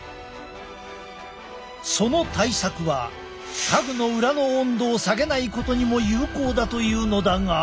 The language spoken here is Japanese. その対策は家具の裏の温度を下げないことにも有効だというのだが。